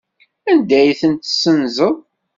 Anda ay tent-tessenzeḍ?